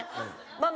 ママ？